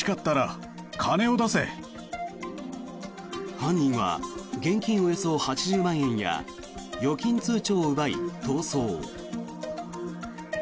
犯人は現金およそ８０万円や預金通帳を奪い、逃走。